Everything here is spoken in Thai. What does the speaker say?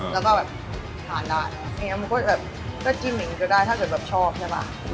แล้วก็แบบผ่านได้มันก็จิ้มอย่างนี้ก็ได้ถ้าเกิดชอบใช่ป่ะ